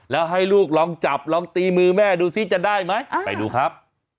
แล้วให้ลูกลองจับลองตีมือแม่ดูซิจะได้ไหมไปดูครับ